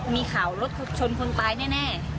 มีข่าวรถชนคนตายแน่